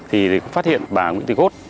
thì phát hiện bà nguyễn tịnh gốt